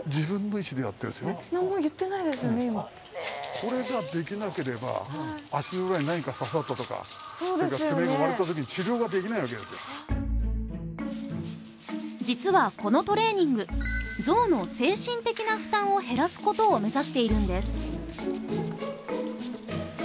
これができなければ実はこのトレーニングゾウの精神的な負担を減らすことを目指しているんです。